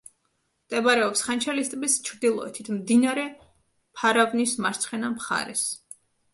მდებარეობს ხანჩალის ტბის ჩრდილოეთით, მდინარე ფარავნის მარცხენა მხარეს.